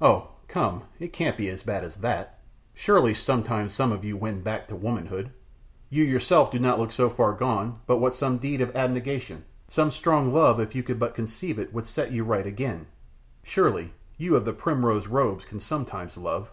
"Oh! come, it can't be as bad as that. Surely sometimes some of you win back to womanhood? You yourself do not look so far gone but what some deed of abnegation, some strong love if you could but conceive it would set you right again. Surely you of the primrose robes can sometimes love?"